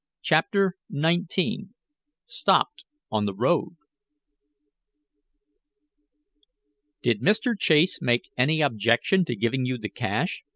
CHAPTER XIX STOPPED ON THE ROAD "Did Mr. Chase make any objection to giving you the cash?"